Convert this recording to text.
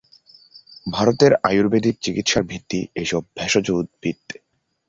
ভারতের আয়ুর্বেদিক চিকিৎসার ভিত্তি এইসব ভেষজ উদ্ভিদ।